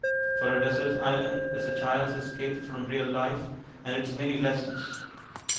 For a desert island is a child's escape from real life and its many lessons.